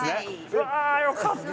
うわーよかった！